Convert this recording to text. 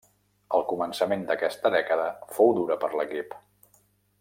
El començament d'aquesta dècada fou dura per l'equip.